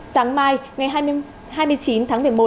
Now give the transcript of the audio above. sáng mai ngày hai mươi chín tháng một mươi một